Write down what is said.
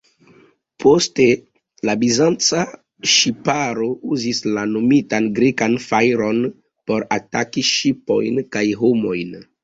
Poste la Bizanca ŝiparo uzis la nomitan Grekan fajron por ataki ŝipojn kaj homojn.